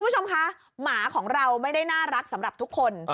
คุณผู้ชมคะหมาของเราไม่ได้น่ารักสำหรับทุกคน